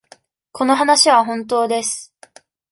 この話は本当です。